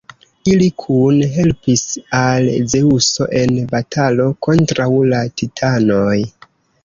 Ili kune helpis al Zeŭso en batalo kontraŭ la titanoj.